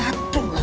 apa itu pak ustadz